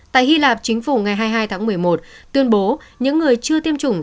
tại hy lạp chính phủ ngày hai mươi hai tháng một mươi một tuyên bố những người chưa tiêm chủng